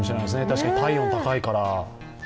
確かに体温高いから。